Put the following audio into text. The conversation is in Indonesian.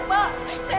saya cuma penjaga saya